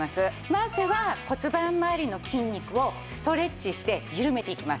まずは骨盤まわりの筋肉をストレッチしてゆるめていきます。